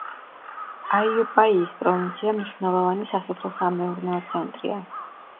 აიოპაიის პროვინცია მნიშვნელოვანი სასოფლო-სამეურნეო ცენტრია.